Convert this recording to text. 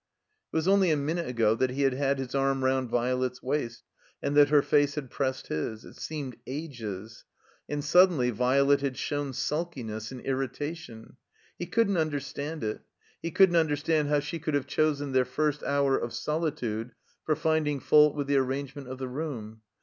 It was only a minute ago that he had had his arm round Violet's waist, and that her face had pressed his. It seemed ages. And suddenly Violet had shown sulkiness and irritation. He couldn't under stand it. He couldn't understand how she could 10 139 THE COMBINED MAZE have chosen their first hour of sc^tude for finding fatilt with the arrangement of the room.